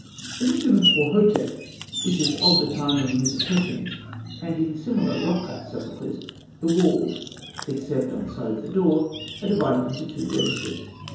In the tomb of Horhotep, which is of the time of the Ûsertesens, and in similar rock cut sepulchres, the walls (except on the side of the door) are divided into two registers.